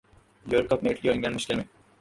euro Cup میں Italy اور England مشکل میں